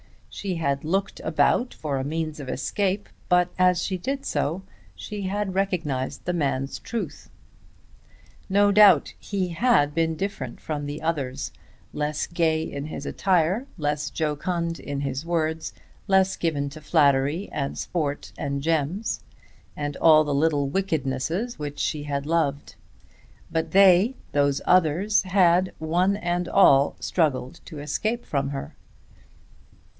She had looked about for a means of escape, but as she did so she had recognized the man's truth. No doubt he had been different from the others, less gay in his attire, less jocund in his words, less given to flattery and sport and gems and all the little wickednesses which she had loved. But they, those others had, one and all, struggled to escape from her.